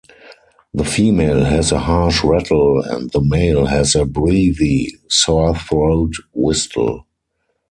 The female has a harsh rattle and the male has a breathy, sore-throat whistle.